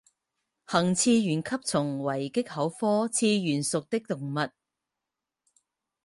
鸻刺缘吸虫为棘口科刺缘属的动物。